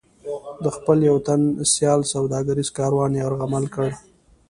د خپل یو تن سیال سوداګریز کاروان یرغمل کړ.